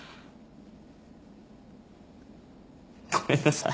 ごめんなさい。